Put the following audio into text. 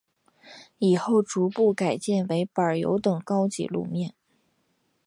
以后逐步改建为柏油等高级路面。